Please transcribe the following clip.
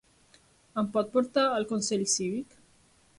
Em pot portar al consell cívic?